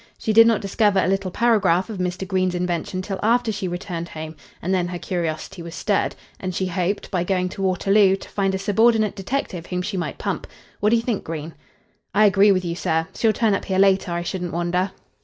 She did not discover a little paragraph of Mr. Green's invention till after she returned home, and then her curiosity was stirred, and she hoped, by going to Waterloo, to find a subordinate detective whom she might pump. What do you think, Green?" "I agree with you, sir. She'll turn up here later, I shouldn't wonder."